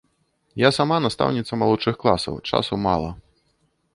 Я сама настаўніца малодшых класаў, часу мала.